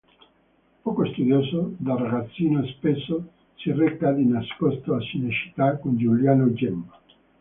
Poco studioso, da ragazzino spesso si reca di nascosto a Cinecittà con Giuliano Gemma.